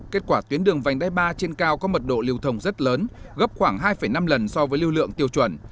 kết quả tuyến đường vành đai ba trên cao có mật độ lưu thông rất lớn gấp khoảng hai năm lần so với lưu lượng tiêu chuẩn